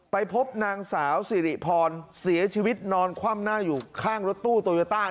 ไปพบนางสาวสิริพรเสียชีวิตนอนคว่ำหน้าอยู่ข้างรถตู้โตโยต้า